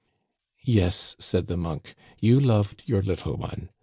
* Yes,* said the monk, * you loved your little one.